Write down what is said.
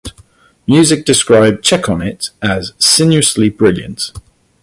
Music described "Check on It" as "sinuously brilliant".